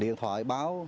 điện thoại bằng đồng